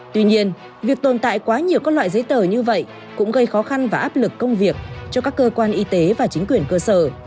tuy nhiên việc tồn tại quá nhiều các loại giấy tờ như vậy cũng gây khó khăn và áp lực công việc cho các cơ quan y tế và chính quyền cơ sở